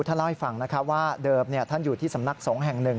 เล่าให้ฟังนะครับว่าเดิมท่านอยู่ที่สำนักสงฆ์แห่งหนึ่ง